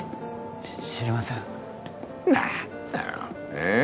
知りません何だよええ？